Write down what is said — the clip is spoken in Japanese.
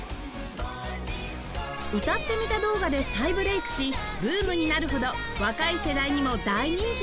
「歌ってみた動画」で再ブレイクしブームになるほど若い世代にも大人気です